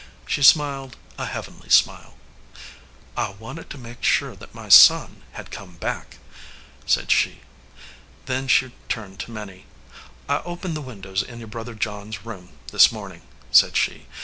She smiled a heavenly smile. 3i4 "A RETREAT TO THE GOAL" "I wanted to make sure that my son had come back," said she. Then she turned to Minnie. "I opened the windows in your brother John s room this morning," said she.